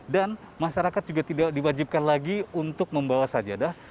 dan masyarakat juga tidak diwajibkan lagi untuk membawa sajadah